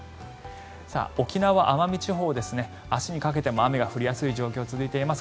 沖縄・奄美地方は明日にかけても雨が降りやすい状況が続いています。